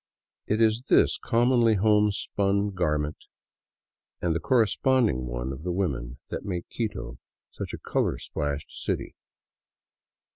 It is this commonly homespun garment, and the corresponding one of the women, that make Quito such a color splashed city.